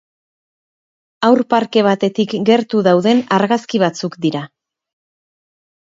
Haur-parke batetik gertu dauden argazki batzuk dira.